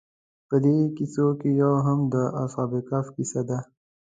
په دې کیسو کې یو هم د اصحاب کهف کیسه ده.